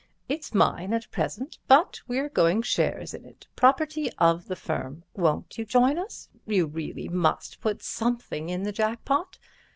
It's mine at present, but we're going shares in it. Property of the firm. Won't you join us? You really must put something in the jack pot.